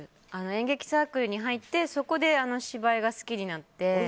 演劇サークルに入ってそこで芝居が好きになって。